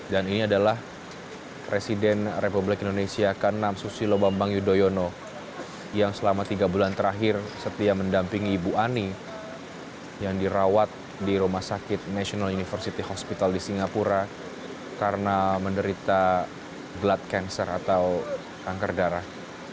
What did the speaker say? dan ini adalah presiden republik indonesia kanam susilo bambang yudhoyono yang selama tiga bulan terakhir setia mendampingi ibu ani yang dirawat di rumah sakit national university hospital di singapura karena menderita glat cancer atau kanker darah